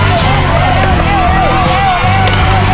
เร็วเร็วเร็วเร็ว